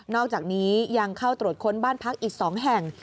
อกจากนี้ยังเข้าตรวจค้นบ้านพักอีก๒แห่ง